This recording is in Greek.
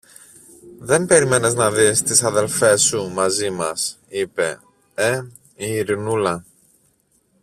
Δεν περίμενες να δεις τις αδελφές σου μαζί μας, είπε, ε, Ειρηνούλα;